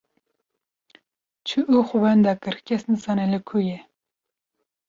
Çû û xwe wenda kir, kes nizane li ku ye.